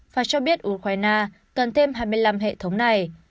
và cho biết ukraine cần thêm hai mươi năm hệ thống này